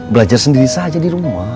belajar sendiri saja di rumah